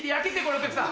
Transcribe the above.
お客さん。